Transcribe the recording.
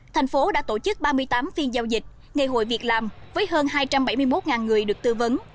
tp hcm đã tổ chức ba mươi tám phiên giao dịch nghề hội việc làm với hơn hai trăm bảy mươi một người được tư vấn